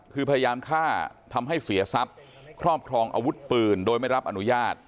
คือพยายามฆ่าทำให้เสียทรัพย์ครอบครองอาวุธปืนโดยไม่รับอนุญาต